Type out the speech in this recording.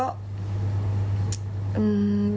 อืม